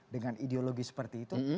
dengan ideologi seperti itu